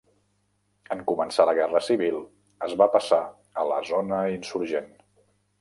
En començar la guerra civil, es va passar a la zona insurgent.